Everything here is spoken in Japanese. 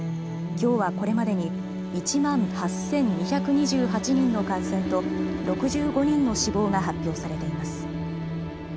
「今日はこれまでに１万８，２２８人の感染と６５人の死亡が発表されています」。